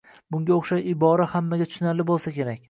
Bunga o‘xshash ibora hammaga tushunarli bo‘lsa kerak.